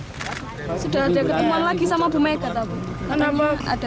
sudah ada ketemuan lagi sama bu megawati